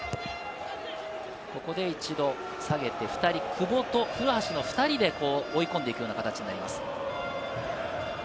ここで一度下げて２人、久保と古橋の２人で追い込んでいくような形になります。